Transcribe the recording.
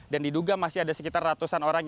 dan diduga masih ada sekitar ratusan orang